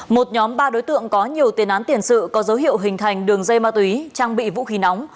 một nhóm ba đối tượng có nhiều tiền án tiền sự có dấu hiệu hình thành đường dây ma túy trang bị vũ khí nóng